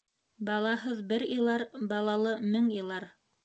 Балаһыҙ бер илар, балалы мең илар.